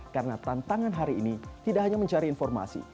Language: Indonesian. karena tantangan hari ini tidak hanya mencari informasi